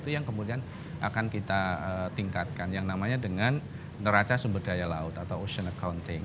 itu yang kemudian akan kita tingkatkan yang namanya dengan neraca sumber daya laut atau ocean accounting